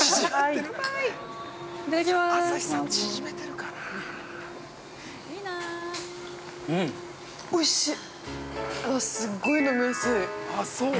あ、おいしい。